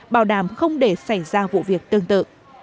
bảo đảm không để xảy ra vụ việc tương tự